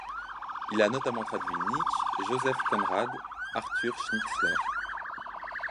Il a notamment traduit Nietzsche, Joseph Conrad, Arthur Schnitzler.